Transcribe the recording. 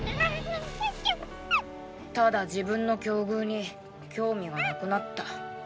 ただ自分の境遇に興味がなくなった。